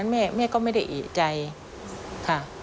แม่ก็ไม่ได้เอกใจค่ะ